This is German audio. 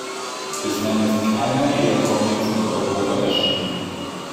Bislang ist keiner ihrer Comics in Europa erschienen.